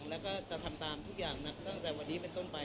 แล้วก็จะทำตามทุกอย่างตั้งแต่วันนี้เป็นต้นไป